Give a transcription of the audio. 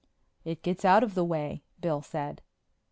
"It gets out of the way," Bill said.